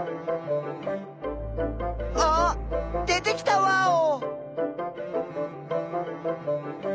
あ出てきたワオ！